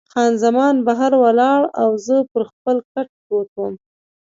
خان زمان بهر ولاړه او زه پر خپل کټ پروت وم.